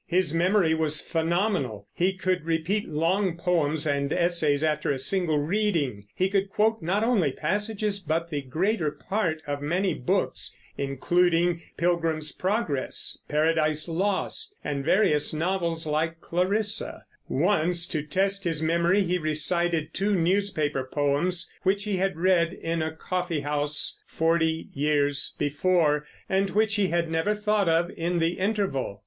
His memory was phenomenal. He could repeat long poems and essays after a single reading; he could quote not only passages but the greater part of many books, including Pilgrim's Progress, Paradise Lost, and various novels like Clarissa. Once, to test his memory, he recited two newspaper poems which he had read in a coffeehouse forty years before, and which he had never thought of in the interval.